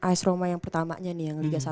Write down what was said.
ice roma yang pertamanya nih yang liga satu